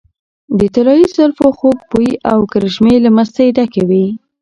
د طلايي زلفو خوږ بوي او کرشمې له مستۍ ډکې وې .